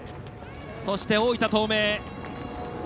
そして、大分東明。